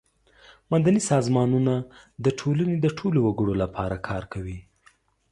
مدني سازمانونه د ټولنې د ټولو وګړو لپاره کار کوي.